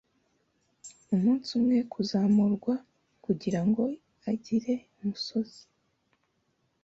umunsi umwe kuzamurwa kugirango igire umusozi